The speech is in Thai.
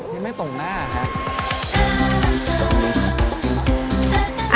นี่ไม่ตรงหน้าค่ะ